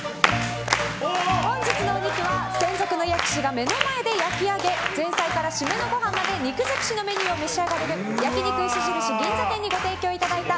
本日のお肉は、専属の焼き師がお肉を目の前で焼き上げ前菜から〆のごはんまで肉尽くしのメニューを召し上がれる焼肉牛印銀座店にご提供いただいた